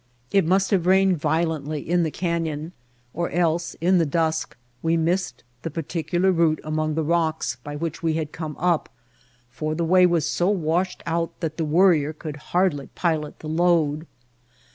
It must have rained violently in the canyon, or els:: in the dusk we missed the particular route among the rocks by which we had come up, for the way was so washed out that the Worrier could hardly pilot the load.